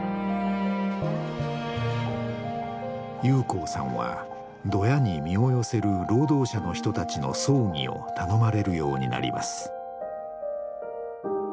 裕光さんはドヤに身を寄せる労働者の人たちの葬儀を頼まれるようになります。